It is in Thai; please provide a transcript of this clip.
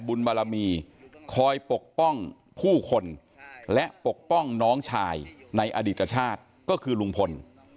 บารมีคอยปกป้องผู้คนและปกป้องน้องชายในอดีตชาติก็คือลุงพล